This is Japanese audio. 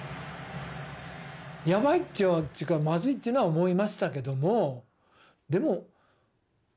やばいっていうかまずいっていうのは思いましたけどもでも。